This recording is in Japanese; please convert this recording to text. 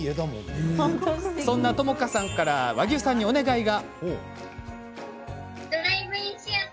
そんな知花さんから和牛さんにお願いが。